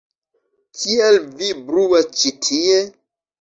Kial vi bruas ĉi tie?!